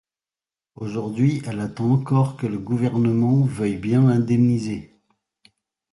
Aujourd'hui elle attend encore que le gouvernement veuille bien l'indemniser.